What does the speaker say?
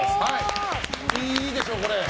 いいでしょう、これ。